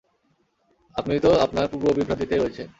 আপনি তো আপনার পূর্ব বিভ্রান্তিতেই রয়েছেন।